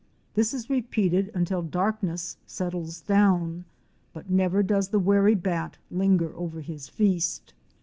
This is repeated until darkness settles down, but never does the wary bat linger over his feast.